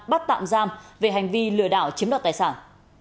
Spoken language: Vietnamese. bắt tạm giam về hành vi lừa đảo chiếm đoạt tài sản